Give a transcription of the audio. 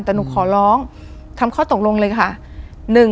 แต่หนูขอร้องทำข้อตกลงเลยค่ะ